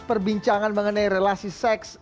perbincangan mengenai relasi seks